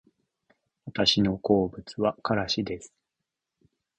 私の好物はからしです